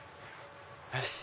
よし！